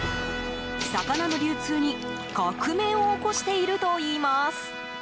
魚の流通に革命を起こしているといいます。